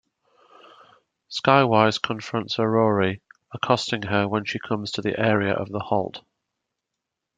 Skywise confronts Aroree, accosting her when she comes to the area of the holt.